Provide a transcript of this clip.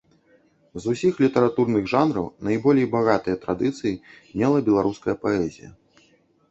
З усіх літаратурных жанраў найболей багатыя традыцыі мела беларуская паэзія.